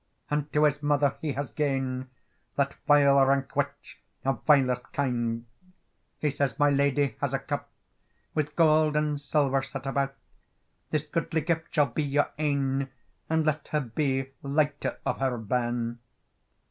And to his mother he has gane, That vile rank witch, of vilest kind! He says—"My lady has a cup, With gowd and silver set about; This gudely gift shall be your ain, And let her be lighter of her bairn."